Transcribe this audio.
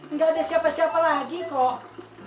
nggak ada siapa siapa lagi kok